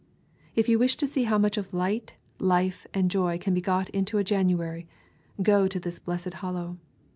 If you wish to see how much of light, life, and joy can be got into a January, go to this blessed Hollow.